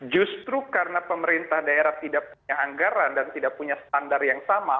justru karena pemerintah daerah tidak punya anggaran dan tidak punya standar yang sama